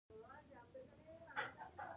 اتڼ ځوانانو ته د نظم او یووالي درس ورکوي.